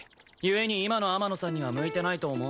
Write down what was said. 故に今の天野さんには向いてないと思う。